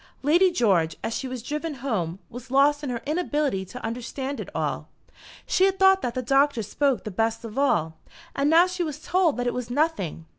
Lady George, as she was driven home, was lost in her inability to understand it all. She had thought that the Doctor spoke the best of all, and now she was told that it was nothing.